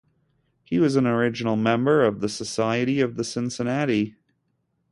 He was an original member of The Society of the Cincinnati.